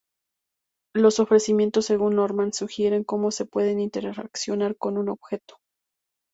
Los ofrecimientos según Norman "sugieren" cómo se puede interaccionar con un objeto.